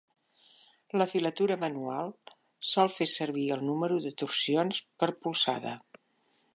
La filatura manual sol fer servir el número de torsions per polzada.